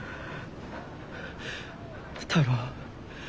太郎。